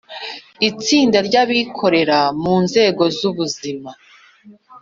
itsinda ry abikorera mu nzego z ubuzima